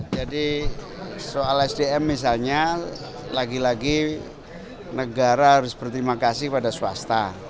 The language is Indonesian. jadi soal sdm misalnya lagi lagi negara harus berterima kasih kepada swasta